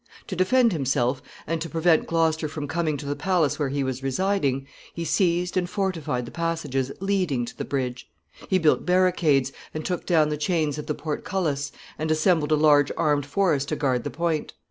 To defend himself, and to prevent Gloucester from coming to the palace where he was residing, he seized and fortified the passages leading to the bridge. He built barricades, and took down the chains of the portcullis, and assembled a large armed force to guard the point.